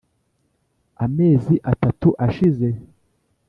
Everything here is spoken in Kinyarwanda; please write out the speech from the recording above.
amezi atatu ashize,